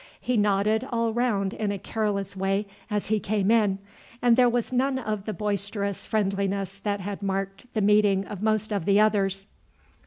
He nodded all round in a careless way as he came in, and there was none of the boisterous friendliness that had marked the meeting of most of the others.